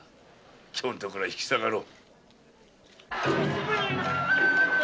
今日のところは引き下がろう。